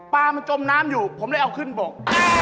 ปลามันจมน้ำอยู่ผมเลยเอาขึ้นบก